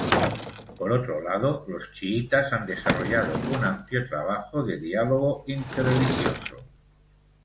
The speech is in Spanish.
Por otro lado, los chiitas han desarrollado un amplio trabajo de diálogo interreligioso￼￼.